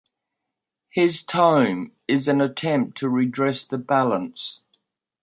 His tome is an attempt to redress the balance.